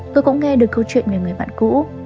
tôi cũng nghe được câu chuyện về người bạn cũ